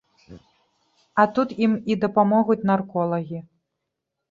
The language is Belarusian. А тут ім і дапамогуць нарколагі.